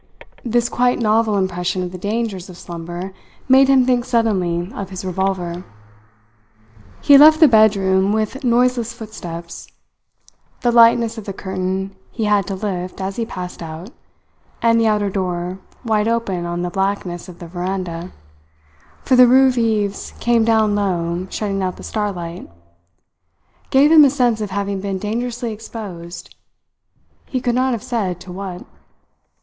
This quite novel impression of the dangers of slumber made him think suddenly of his revolver. He left the bedroom with noiseless footsteps. The lightness of the curtain he had to lift as he passed out, and the outer door, wide open on the blackness of the veranda for the roof eaves came down low, shutting out the starlight gave him a sense of having been dangerously exposed, he could not have said to what.